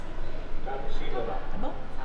Κάνει σίδερα.